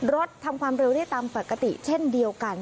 รถทำความเร็วได้ตามปกติเช่นเดียวกัน